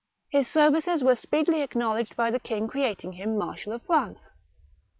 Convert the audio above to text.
His services were speedily acknowledged by the king creating him Marshal of France.